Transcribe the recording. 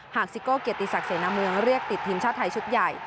ซิโก้เกียรติศักดิเสนาเมืองเรียกติดทีมชาติไทยชุดใหญ่